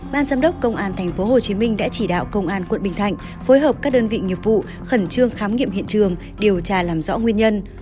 ban giám đốc công an tp hcm đã chỉ đạo công an quận bình thạnh phối hợp các đơn vị nghiệp vụ khẩn trương khám nghiệm hiện trường điều tra làm rõ nguyên nhân